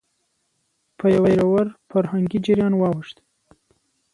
په يوه ژور فرهنګي جريان واوښت،